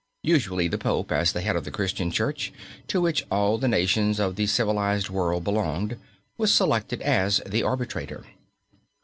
Usually the Pope, as the head of the Christian Church, to which all the nations of the civilized world belonged, was selected as the arbitrator.